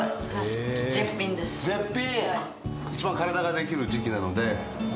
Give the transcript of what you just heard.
絶品！